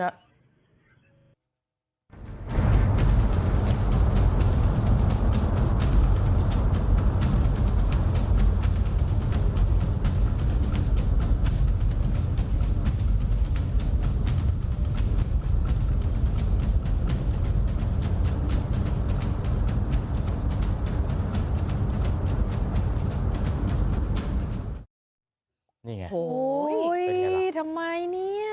นี่ไงเป็นไงล่ะโอ้โหทำไมเนี่ย